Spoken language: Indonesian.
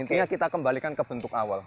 intinya kita kembalikan ke bentuk awal